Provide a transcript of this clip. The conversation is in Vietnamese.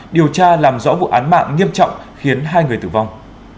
điều tra làm rõ vụ án mạng nghiêm trọng khiến hai người tử vong